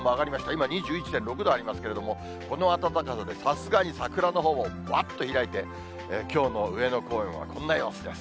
今２１．６度ありますけれども、この暖かさでさすがに桜のほうも、わっと開いて、きょうの上野公園はこんな様子です。